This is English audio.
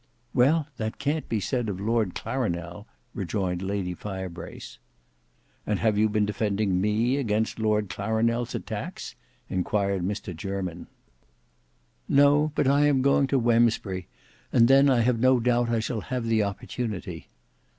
"Well, that can't be said of Lord Clarinel," rejoined Lady Firebrace. "And have you been defending me against Lord Clarinel's attacks?" inquired Mr Jermyn. "No; but I am going to Wemsbury, and then I have no doubt I shall have the opportunity."